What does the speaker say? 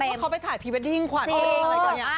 คิดว่าเขาไปถ่ายพีเวดดิ่งขวานอะไรกันเนี่ย